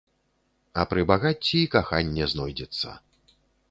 А пры багацці і каханне знойдзецца.